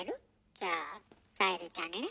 じゃあ沙莉ちゃんにね。